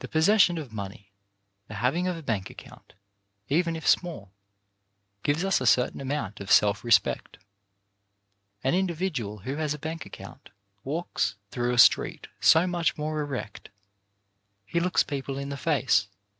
The possession of money, the having of a bank account, even if small, gives us a certain amount of self respect. An individual who has a bank account walks through a street so much more erect; he looks people in the face.